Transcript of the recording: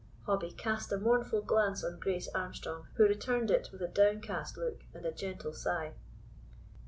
Hobbie cast a mournful glance on Grace Armstrong, who returned it with a downcast look and a gentle sigh.